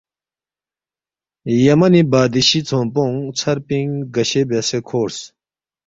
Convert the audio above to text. یمنی بادشی ژھونگپونگ ژھر پِنگ رگشے بیاسے کھورس